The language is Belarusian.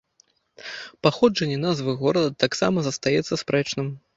Паходжанне назвы горада таксама застаецца спрэчным.